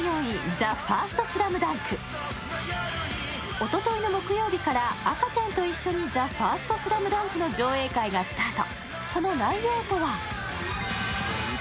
おとといの木曜日から赤ちゃんと一緒に「ＴＨＥＦＩＲＳＴＳＬＡＭＤＵＮＫ」の上映会がスタート。